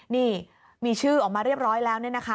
นี่มีชื่อออกมาเรียบร้อยแล้วเนี่ยนะคะ